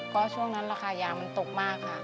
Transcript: ก็ช่วงนั้นราคายางมันตกมากค่ะ